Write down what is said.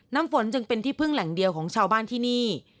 น้ำฝนจึงเป็นที่พึ่งแหล่งเดียวของชาวบ้านที่นี่